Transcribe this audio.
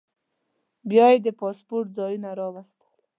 بیا یې د پاسپورټ ځایونو ته راوستو.